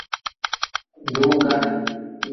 Duuga.